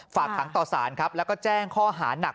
ฝากขังต่อสารครับแล้วก็แจ้งข้อหานัก